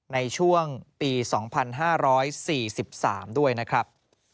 ในช่วงปี๒๕๔๓ด้วยนะครับ